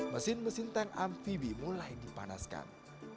mesin mesin tank amfibi mulai dipanaskan